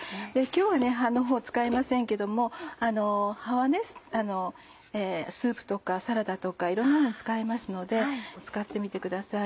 今日は葉のほう使いませんけども葉はスープとかサラダとかいろんなのに使えますので使ってみてください。